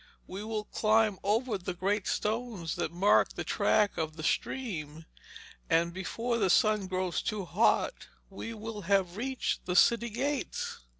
We will climb over the great stones that mark the track of the stream, and before the sun grows too hot we will have reached the city gates.'